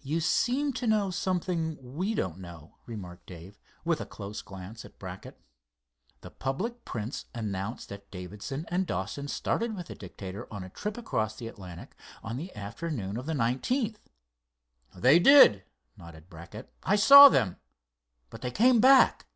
"You seem to know something we don't know," remarked Dave, with a close glance at Brackett. "The public prints announced that Davidson and Dawson started with the Dictator on the trip across the Atlantic on the afternoon of the nineteenth." "They did," nodded Brackett. "I saw them. But they came back."